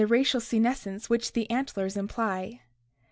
racial senescence which the antlers imply.